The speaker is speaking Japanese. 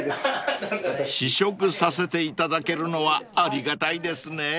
［試食させていただけるのはありがたいですねぇ］